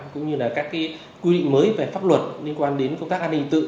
các quy định mới về pháp luật liên quan đến công tác an ninh tự